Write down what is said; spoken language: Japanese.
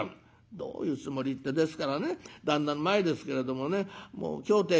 「どういうつもりってですからね旦那の前ですけれどもねもう今日ってえ